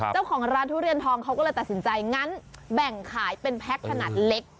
เจ้าของร้านทุเรียนทองเขาก็เลยตัดสินใจงั้นแบ่งขายเป็นแพ็คขนาดเล็ก